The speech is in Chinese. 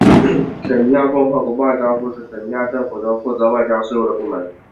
肯尼亚共和国外交部是肯尼亚政府中负责外交事务的部门。